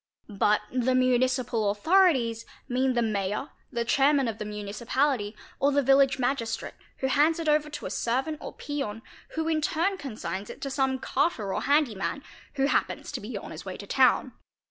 But the "Municipal Authorities' mean the Mayor,,the Chairman of the Municipality, or the Village Magistrate, who hands it over to a servant or peon, who in turn consigns it to some weecene ts taal gg ee tla att ah Si 'carter or bandyman, who happens to be on his way to town.